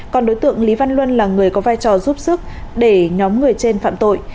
còn đối tượng lý văn luân là người có vai trò giúp sức để nhóm người trên phạm tội